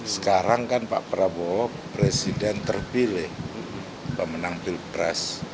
sekarang kan pak prabowo presiden terpilih pemenang pilpres